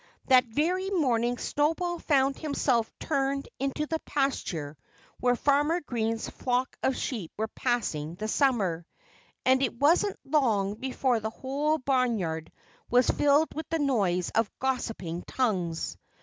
That very morning Snowball found himself turned into the pasture where Farmer Green's flock of sheep were passing the summer. And it wasn't long before the whole barnyard was filled with the noise of gossiping tongues.